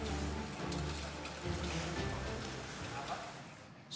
bagaimana perkembangan penyakit bunuh diri